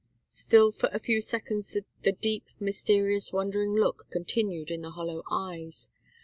Still for a few seconds the deep, mysterious, wondering look continued in the hollow eyes.